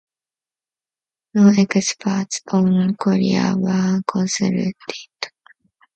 No experts on Korea were consulted.